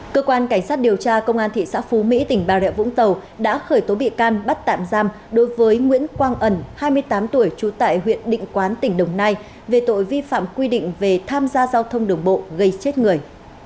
cơ quan cảnh sát điều tra công an thị xã phú mỹ tỉnh bà rịa vũng tàu đã khởi tố bị can bắt tạm giam đối với nguyễn quang ẩn hai mươi tám tuổi trú tại huyện định quán tỉnh đồng nai về tội vi phạm quy định về tham gia giao thông đường bộ gây chết người